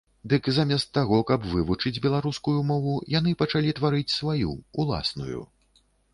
Дык замест таго, каб вывучыць беларускую мову, яны пачалі тварыць сваю, уласную.